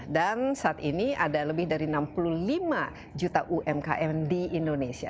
dan saat ini ada lebih dari enam puluh lima juta umkm di indonesia